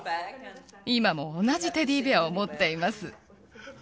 今も同じテディベアを持っています。